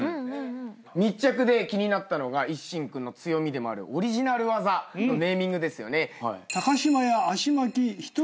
密着で気になったのが一心君の強みでもあるオリジナル技のネーミングですよね。